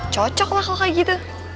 cocok lah kalau kayak gitu